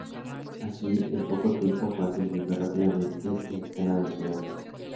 Así, en poco tiempo fue ascendiendo rápidamente en la escala del poder nazi.